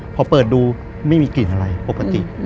พอเปิดดูไม่มีกลิ่นอะไรปกติ